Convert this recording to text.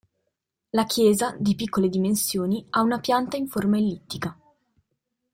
La chiesa, di piccole dimensioni, ha una pianta in forma ellittica.